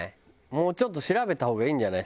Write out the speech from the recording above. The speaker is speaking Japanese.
もうちょっと調べた方がいいんじゃない？